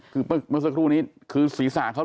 คือเมื่อสักครู่นี้คือศีรษะเขา